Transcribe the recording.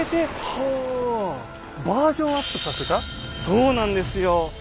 そうなんですよ。